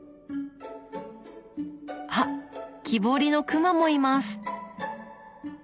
あっ木彫りの熊もいます！